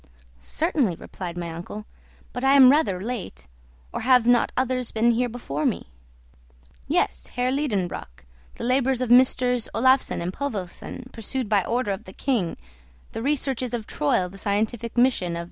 "Certainly," replied my uncle; "but I am rather late; or have not others been here before me?" "Yes, Herr Liedenbrock; the labours of MM. Olafsen and Povelsen, pursued by order of the king, the researches of Troïl the scientific mission of MM.